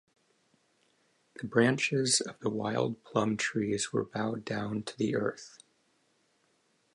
The branches of the wild-plum trees were bowed down to the earth.